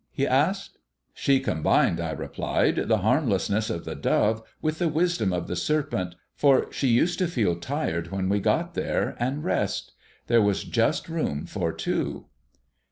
he asked. "She combined," I replied, "the harmlessness of the dove with the wisdom of the serpent, for she used to feel tired when we got there, and rest. There was just room for two."